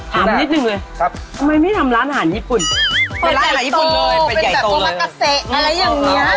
ต้นทุนในการลงทุนต่ำ